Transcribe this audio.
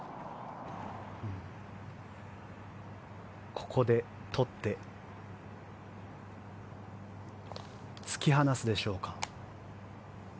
ここで取って突き放すでしょうか。